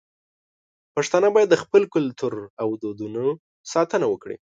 پښتانه بايد د خپل کلتور او دودونو ساتنه وکړي.